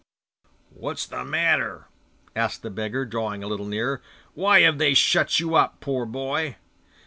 'What is the matter?' asked the beggar, drawing a little nearer. 'Why have they shut you up, poor boy?